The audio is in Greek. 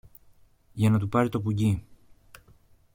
για να του πάρει το πουγγί